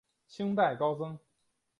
清代高僧。